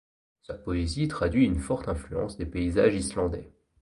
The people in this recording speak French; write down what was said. Sa poésie traduit une forte influence des paysages islandais.